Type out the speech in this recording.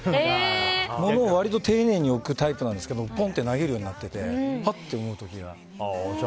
ものを割と丁寧に置くタイプなんですけどポンと投げるようになってはって思う時が。